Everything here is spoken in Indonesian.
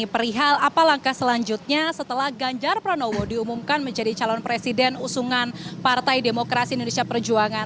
perihal apa langkah selanjutnya setelah ganjar pranowo diumumkan menjadi calon presiden usungan partai demokrasi indonesia perjuangan